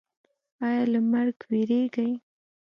ایا له مرګ ویریږئ؟